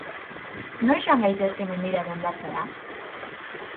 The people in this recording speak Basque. Noiz joan gaitezke mendira edo hondartzara?